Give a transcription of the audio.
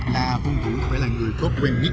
là phương thủ phải là người có quen nhất